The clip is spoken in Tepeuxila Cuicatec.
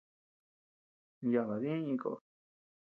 Yaʼa badii iña kó.